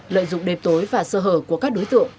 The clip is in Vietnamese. lợi dụng đêm tối và sơ hở của các đối tượng